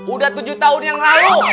udah tujuh tahun yang lalu